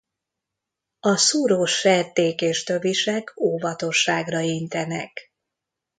A szúrós serték és tövisek óvatosságra intenek.